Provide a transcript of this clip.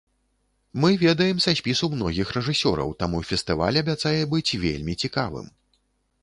Мы ведаем са спісу многіх рэжысёраў, таму фестываль абяцае быць вельмі цікавым.